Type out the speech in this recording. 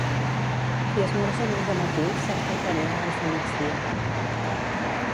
Qui esmorza molt de matí cerca el paner abans de migdia.